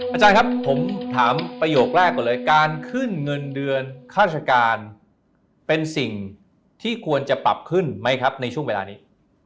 อาจารย์ครับผมถามประโยคแรกก่อนเลยการขึ้นเงินเดือนข้าราชการเป็นสิ่งที่ควรจะปรับขึ้นไหมครับในช่วงเวลานี้